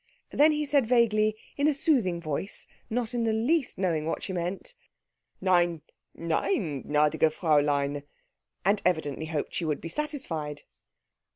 Then he said vaguely, in a soothing voice, not in the least knowing what she meant, "Nein, nein, gnädiges Fräulein," and evidently hoped she would be satisfied.